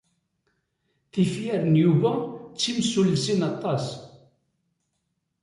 Tifyar n Yuba d timsullsin aṭas.